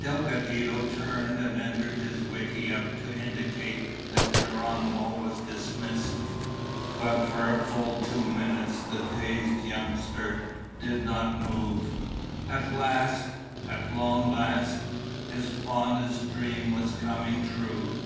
Delgadito turned and entered his wickiup to indicate that Geronimo was dismissed. But for a full two minutes the dazed youngster did not move. At last, at long last, his fondest dream was coming true.